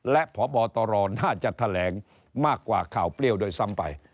และพบตรน่าจะแถลงมากกว่าข่าวเปรี้ยวด้วยซ้ำไป